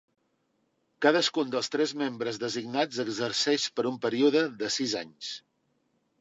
Cadascun dels tres membres designats exerceix per un període de sis anys.